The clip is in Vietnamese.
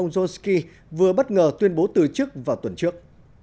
ông josky vừa bất ngờ tuyên bố từ chức vào tuần trước